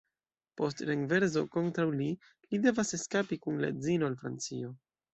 Post renverso kontraŭ li, li devas eskapi kun la edzino al Francio.